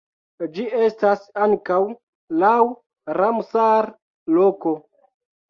Ĝi estas ankaŭ laŭ Ramsar-loko.